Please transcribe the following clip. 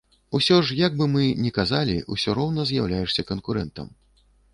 Усё ж, як бы мы не казалі, усё роўна з'яўляешся канкурэнтам.